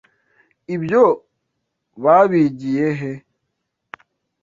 Ibyo babigiye he?